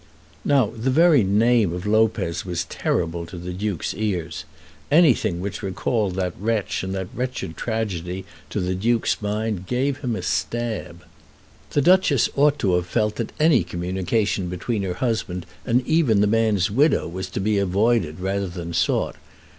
Now the very name of Lopez was terrible to the Duke's ears. Anything which recalled the wretch and that wretched tragedy to the Duke's mind gave him a stab. The Duchess ought to have felt that any communication between her husband and even the man's widow was to be avoided rather than sought.